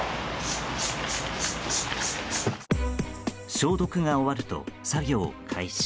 消毒が終わると、作業開始。